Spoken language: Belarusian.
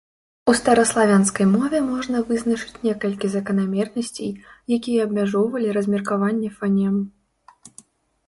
У стараславянскай мове можна вызначыць некалькі заканамернасцей, якія абмяжоўвалі размеркаванне фанем.